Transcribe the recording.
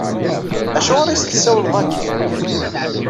Acuɣer i as-tessawleḍ akken?